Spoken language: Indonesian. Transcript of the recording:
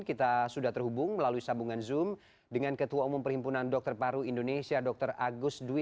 kita sudah terhubung melalui sambungan zoom dengan ketua umum perhimpunan dokter paru indonesia dr agus dwi